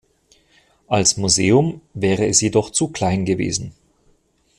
Als Museum wäre es jedoch zu klein gewesen.